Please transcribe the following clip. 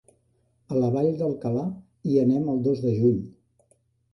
A la Vall d'Alcalà hi anem el dos de juny.